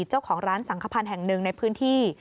เจ้าของร้านสังขพันธ์แห่งหนึ่งในพื้นที่